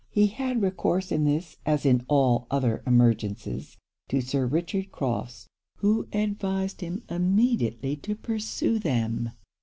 He had recourse in this, as in all other emergences, to Sir Richard Crofts, who advised him immediately to pursue them.